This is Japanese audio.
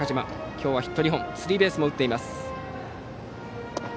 今日はヒット２本スリーベースも打っています。